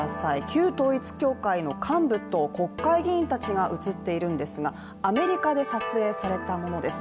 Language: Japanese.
旧統一教会の幹部と国会議員たちが映っているんですが、アメリカで撮影されたものです。